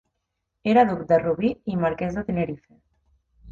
Era duc de Rubí i marquès de Tenerife.